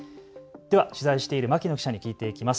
では取材している牧野記者に聞いていきます。